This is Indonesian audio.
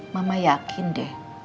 mama yakin deh